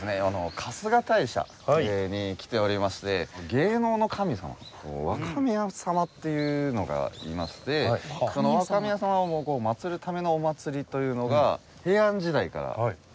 春日大社に来ておりまして芸能の神様若宮様っていうのがいましてその若宮様を祀るためのお祭りというのが平安時代から９００年続いてるんですよね。